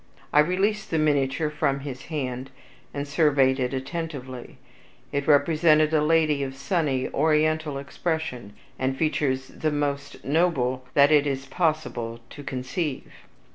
I released the miniature from his hand, and surveyed it attentively. It represented a lady of sunny, oriental complexion, and features the most noble that it is possible to conceive.